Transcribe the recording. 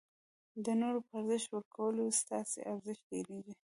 د نورو په ارزښت ورکولو ستاسي ارزښت ډېرېږي.